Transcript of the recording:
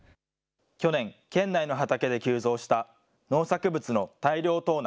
去年、県内の畑で急増した農作物の大量盗難。